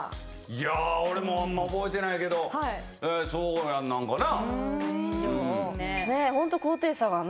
いや俺もあんま覚えてないけどそうやんなんかな？